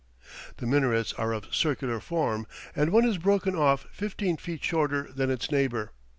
The minarets are of circular form, and one is broken off fifteen feet shorter than its neighbor.